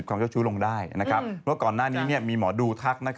เพราะก่อนหน้านี้มีหมอดูทักนะครับ